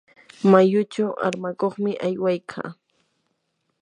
mayuchu armakuqmi aywaykaa.